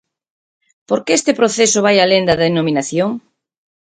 Por que este proceso vai alén da denominación?